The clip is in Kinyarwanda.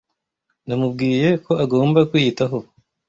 namubwiye ko agomba kwiyitaho